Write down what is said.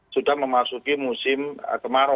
sudah memasuki musim kemarau